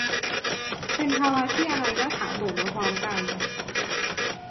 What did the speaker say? เป็นภาวะที่อะไรก็ถาโถมมาพร้อมกัน